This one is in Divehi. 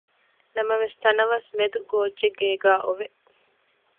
ނަމަވެސް ތަނަވަސް މެދު ގޯއްޗެއް ގޭގައި އޮވެ